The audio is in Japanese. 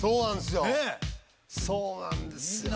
そうなんですよ。